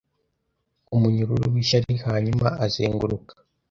umunyururu wishyari Hanyuma azenguruka